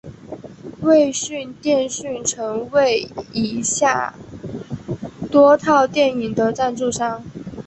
卫讯电讯曾成为以下多套电影的赞助商。